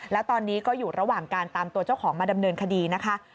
แล้วตอนนี้ก็อยู่ระหว่างการตามตัวเจ้าของมาดำเนินคดีนะคะ